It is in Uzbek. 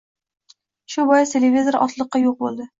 Shu bois televizor otliqqa yo‘q bo‘ldi.